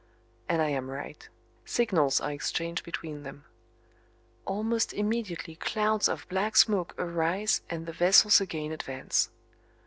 And I am right. Signals are exchanged between them. Almost immediately clouds of black smoke arise and the vessels again advance.